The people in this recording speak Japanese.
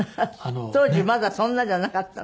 当時まだそんなじゃなかったの？